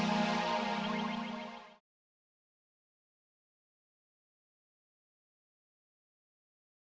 gue kan kayak seperti lo patrick